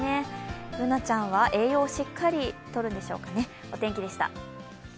Ｂｏｏｎａちゃんは栄養をしっかりとるんでしょうね。